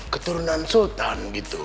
keturunan sultan gitu